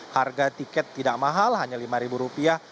harga tiket tidak mahal hanya lima rupiah